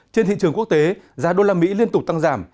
trên thị trường quốc tế giá đô la mỹ liên tục tăng giảm